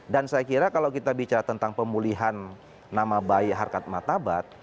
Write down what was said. dan saya kira kalau kita bicara tentang pemulihan nama bayi harkat martabat